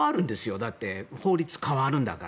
だって法律変わるんだから。